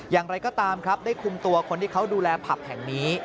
อย่างไรก็ตามครับได้คุมตัวคนที่เขาดูแลผับแห่งนี้